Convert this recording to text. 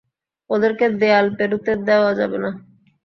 ওদেরকে দেয়াল পেরুতে দেওয়া যাবে না!